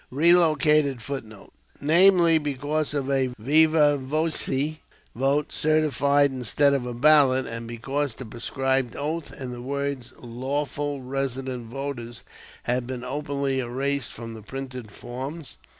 [Relocated Footnote: Namely, because of a viva voce vote certified instead of a ballot, and because the prescribed oath and the words "lawful resident voters" had been openly erased from the printed forms.